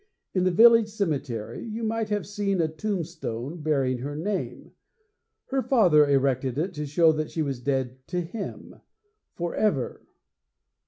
In the village cemetery you might have seen a tombstone bearing her name. Her father erected it to show that she was dead to him for ever.